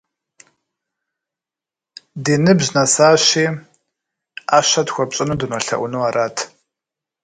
Ди ныбжь нэсащи, ӏэщэ тхуэпщӏыну дынолъэӏуну арат.